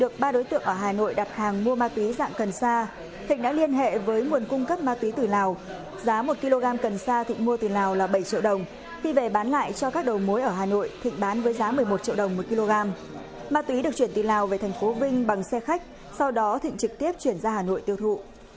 các bạn hãy đăng ký kênh để ủng hộ kênh của chúng mình nhé